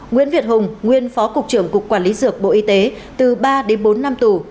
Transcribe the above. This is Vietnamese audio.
nguyễn việt hùng nguyên phó cục trưởng cục quản lý dược bộ y tế từ ba đến bốn năm tù